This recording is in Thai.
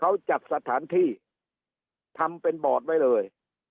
มันรู้จักสถานที่ทำเป็นบอดไว้เลย